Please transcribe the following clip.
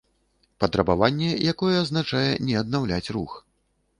Патрабаванне, якое азначае не аднаўляць рух